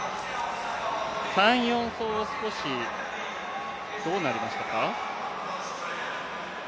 ３、４走、どうなりましたか？